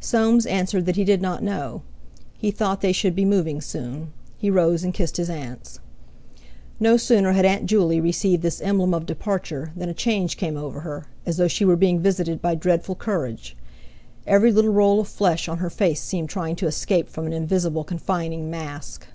Soames answered that he did not know, he thought they should be moving soon. He rose and kissed his aunts. No sooner had Aunt Juley received this emblem of departure than a change came over her, as though she were being visited by dreadful courage; every little roll of flesh on her face seemed trying to escape from an invisible, confining mask.